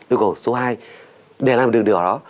yêu cầu số hai để làm được điều đó